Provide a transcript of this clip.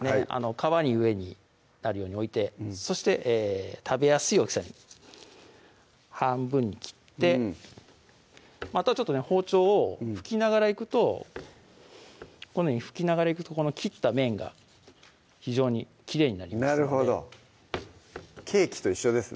皮が上になるように置いてそして食べやすい大きさに半分に切ってあとはちょっとね包丁を拭きながらいくとこのように拭きながらいくとこの切った面が非常にきれいになりますのでなるほどケーキと一緒ですね